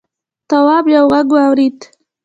تواب یوه غږ واورېد.